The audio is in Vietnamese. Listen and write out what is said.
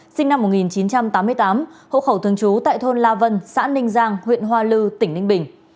nguyễn văn vương sinh năm một nghìn chín trăm tám mươi tám hộ khẩu thương chú tại thôn la vân xã ninh giang huyện hoa lư tỉnh ninh bình